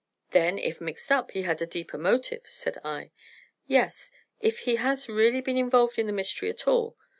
"Then, if mixed up, he had a deeper motive," said I. "Yes if he has really been involved in the mystery at all.